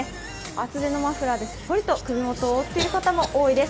厚手のマフラーですっぽりと首元を覆ってる人も多いです。